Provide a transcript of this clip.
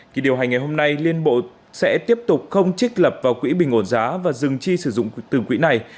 kỳ điều hành ngày hôm nay liên bộ sẽ tiếp tục không trích lập vào quỹ bình ổn giá và dừng chi sử dụng từ quỹ này